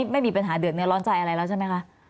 ไม่มีปัญหาเดือดเนื้อร้อนใจอะไรแล้วใช่ไหมคะ